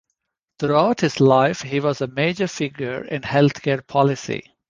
Throughout his life he was a major figure in health care policy.